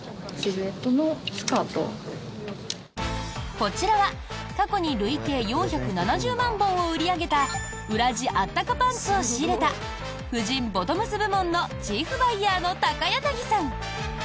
こちらは過去に累計４７０万本を売り上げた裏地あったかパンツを仕入れた婦人ボトムス部門のチーフバイヤーの高柳さん。